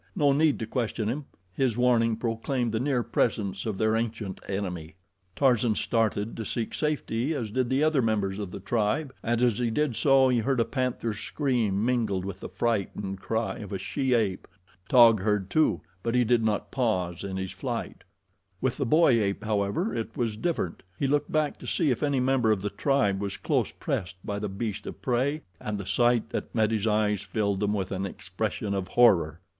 No need to question him his warning proclaimed the near presence of their ancient enemy. Tarzan started to seek safety, as did the other members of the tribe, and as he did so he heard a panther's scream mingled with the frightened cry of a she ape. Taug heard, too; but he did not pause in his flight. With the ape boy, however, it was different. He looked back to see if any member of the tribe was close pressed by the beast of prey, and the sight that met his eyes filled them with an expression of horror.